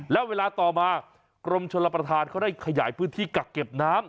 แล้วเวลาต่อมากรมชลประธานเขาได้ขยายพื้นที่กักเก็บน้ำ